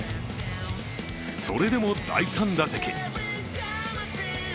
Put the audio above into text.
それでも、第３打席。